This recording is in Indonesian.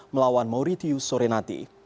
melawan mauritius sorenati